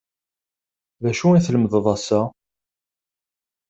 D acu i tlemdeḍ ass-a?